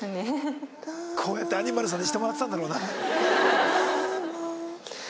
こうやってアニマルさんにしてもらってたんだろうな。